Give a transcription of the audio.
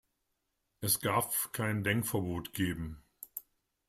Es darf kein Denkverbot geben.